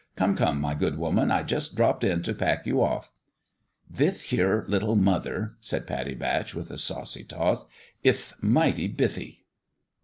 Come, come, my good woman ! I just dropped in to pack you off." " Thith here little mother," said Pattie Batch, with a saucy toss, " ith almighty bithy."